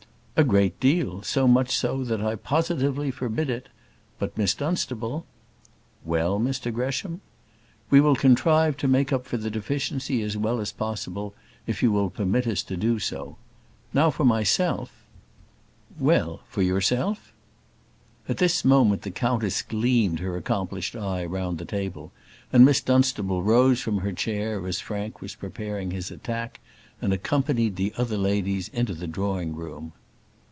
"A great deal so much so that I positively forbid it; but, Miss Dunstable " "Well, Mr Gresham?" "We will contrive to make up for the deficiency as well as possible, if you will permit us to do so. Now for myself " "Well, for yourself?" At this moment the countess gleamed her accomplished eye round the table, and Miss Dunstable rose from her chair as Frank was preparing his attack, and accompanied the other ladies into the drawing room.